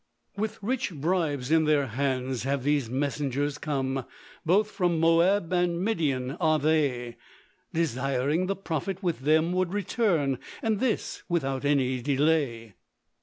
With rich bribes in their hands have these messengers come, Both from Moab and Midian are they; Desiring the Prophet with them would return, And this without any delay.